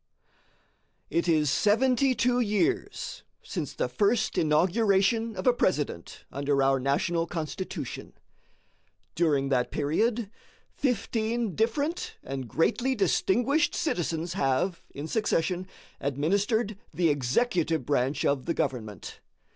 It is seventy two years since the first inauguration of a President under our national Constitution. During that period fifteen different and greatly distinguished citizens have, in succession, administered the executive branch of the government.